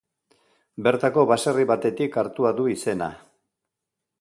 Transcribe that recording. Bertako baserri batetik hartua du izena.